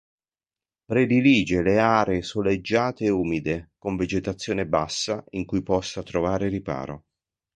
Predilige le aree soleggiate e umide, con vegetazione bassa in cui possa trovare riparo.